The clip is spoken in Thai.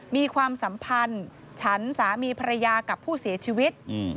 ความสัมพันธ์ฉันสามีภรรยากับผู้เสียชีวิต